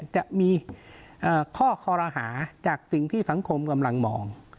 จะมีข้อคอรหาจากสิ่งที่สังคมกำลังมอง